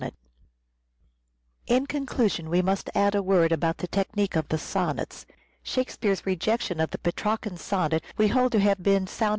In conclusion, we must add a word about the The inventor technique of the Sonnets. Shakespeare's rejection of the Petrarcan sonnet we hold to have been sound spearean